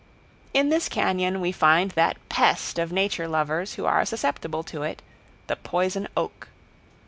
In this cañon we find that pest of nature lovers who are susceptible to it, the poison oak.